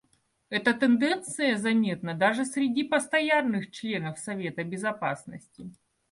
Эта тенденция заметна даже среди постоянных членов Совета Безопасности.